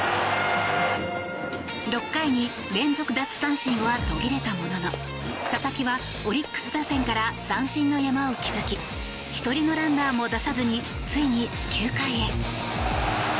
６回に連続奪三振は途切れたものの佐々木はオリックス打線から三振の山を築き１人のランナーも出さずについに９回へ。